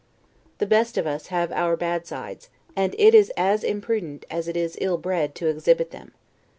The best of us have our bad sides, and it is as imprudent, as it is ill bred, to exhibit them.